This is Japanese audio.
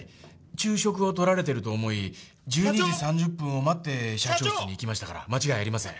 昼食をとられてると思い１２時３０分を待って社長室に行きましたから間違いありません。